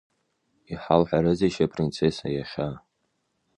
Иҳалҳәарызеишь апринцесса иахьа?